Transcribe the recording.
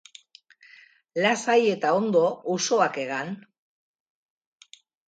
Lasai eta ondo, usoak hegan.